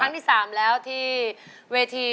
ร้องได้ให้ร้อง